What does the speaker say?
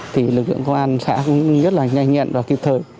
thì lực lượng công an xã cũng rất là nhanh nhận và kịp thời